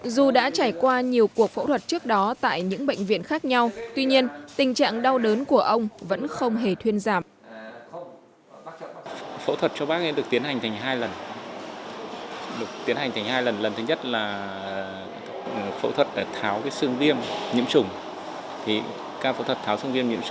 dù đã trải qua nhiều cuộc phẫu thuật trước đó tại những bệnh viện khác nhau tuy nhiên tình trạng đau đớn của ông vẫn không hề thuyên giảm